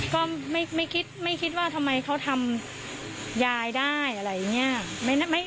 ก็ไม่คิดไม่คิดว่าทำไมเขาทำยายได้อะไรอย่างนี้